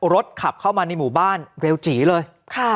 รถขับเข้ามาในหมู่บ้านเร็วจีเลย